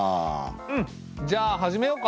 うんじゃあ始めようか。